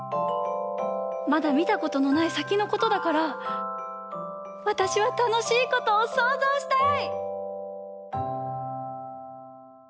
まだみたことのないさきのことだからわたしはたのしいことをそうぞうしたい！